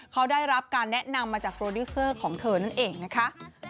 เขาได้รับการแนะนำมาจากโปรดิวเซอร์ของเธอนั่นเองนะคะ